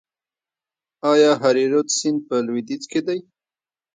آیا هریرود سیند په لویدیځ کې دی؟